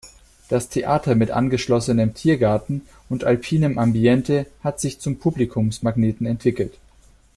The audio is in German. Das Theater mit angeschlossenem Tiergarten und alpinem Ambiente hat sich zum Publikumsmagneten entwickelt.